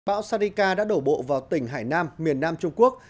bão salika đã đổ bộ vào tỉnh hải nam miền nam trung quốc